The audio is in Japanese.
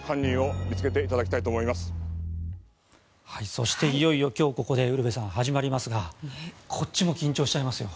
そしていよいよ今日ここでウルヴェさん、始まりますがこっちも緊張しちゃいますよ。